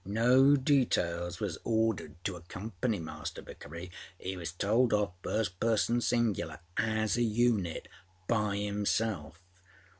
No details was ordered to accompany Master Vickery. He was told off first person singularâas a unitâ by himself.